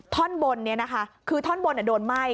ท่อนบนเนี่ยนะคะคือท่อนบนเนี่ยโดนไหม้